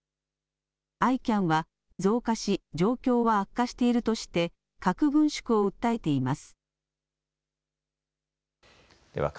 ＩＣＡＮは増加し状況は悪化しているとして核軍縮を訴えています。